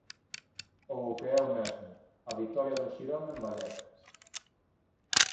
Ou o que é o mesmo, á vitoria do Xirona en Vallecas.